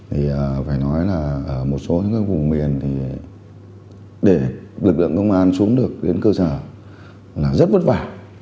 thì phải nói là ở một số những các vùng miền thì để lực lượng công an xuống được đến cơ sở là rất vất vả